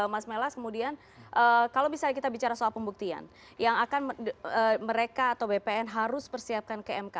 mas melas kemudian kalau misalnya kita bicara soal pembuktian yang akan mereka atau bpn harus persiapkan ke mk